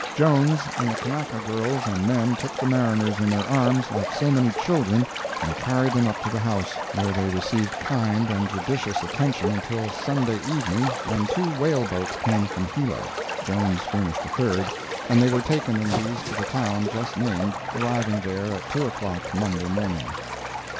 Jones and the Kanaka girls and men took the mariners in their arms like so many children and carried them up to the house, where they received kind and judicious attention until Sunday evening, when two whaleboats came from Hilo, Jones furnished a third, and they were taken in these to the town just named, arriving there at two o'clock Monday morning.